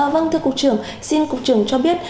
vâng thưa cục trưởng xin cục trưởng cho biết